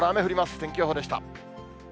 天気予報でした。